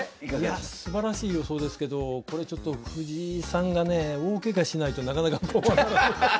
いやすばらしい予想ですけどこれちょっと藤井さんがね大ケガしないとなかなかこうはならない。